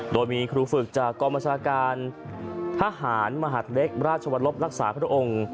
โดยมีครูฝึกจากกองบัญชาการทหารมหาดเล็กราชวรลบรักษาพระองค์